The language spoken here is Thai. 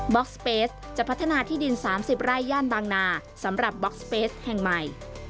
็อกสเปสจะพัฒนาที่ดิน๓๐ไร่ย่านบางนาสำหรับบล็อกสเปสแห่งใหม่